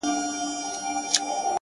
نیک چلند زړونه خپلوي.!